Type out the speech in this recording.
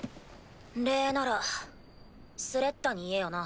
礼ならスレッタに言えよな。